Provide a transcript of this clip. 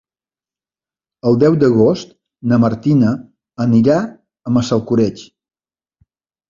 El deu d'agost na Martina anirà a Massalcoreig.